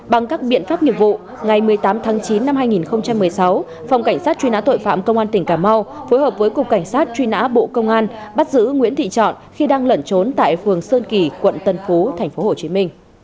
bằng các biện pháp nghiệp vụ ngày một mươi tám tháng chín năm hai nghìn một mươi sáu phòng cảnh sát truy nã tội phạm công an tỉnh cà mau phối hợp với cục cảnh sát truy nã bộ công an bắt giữ nguyễn thị trọn khi đang lẩn trốn tại phường sơn kỳ quận tân phú tp hcm